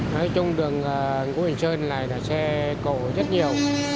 nói chung đường ngo quyền sơn này là xe cổ rất nhiều